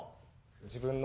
自分の。